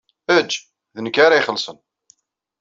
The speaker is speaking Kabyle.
Eǧǧ, d nekk ara ixellṣen.